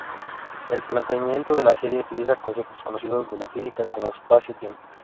El planteamiento de la serie utiliza conceptos conocidos de la física como "espacio-tiempo".